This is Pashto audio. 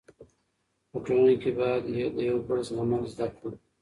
په ټولنه کې باید د یو بل زغمل زده کړو.